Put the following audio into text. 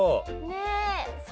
ねえ。